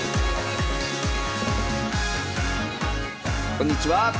こんにちは。